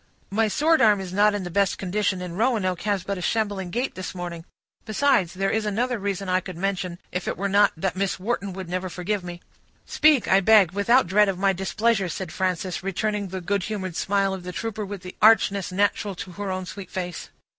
"My sword arm is not in the best condition, and Roanoke has but a shambling gait this morning; besides, there is another reason I could mention, if it were not that Miss Wharton would never forgive me." "Speak, I beg, without dread of my displeasure," said Frances, returning the good humored smile of the trooper, with the archness natural to her own sweet face.